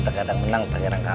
terkadang menang terkadang kalah